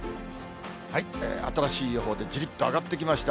新しい予報で、じりっと上がってきました。